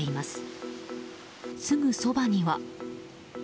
すぐそばには。